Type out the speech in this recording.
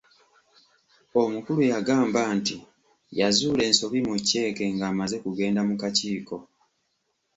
Omukulu yagamba nti yazuula ensobi mu cceeke ng'amaze kugenda mu kakiiko.